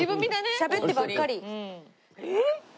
しゃべってばっかり。